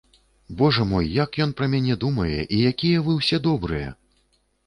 Божа мой, як ён пра мяне думае і якія вы ўсе добрыя!